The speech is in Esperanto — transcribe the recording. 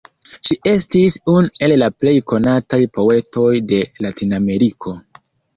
Ŝi estis unu el la plej konataj poetoj de Latinameriko.